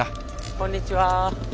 こんにちは。